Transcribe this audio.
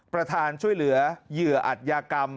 ประธานช่วยเหลือเหยื่ออัตยากรรม